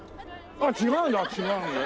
あっ違うんだ違うんだ。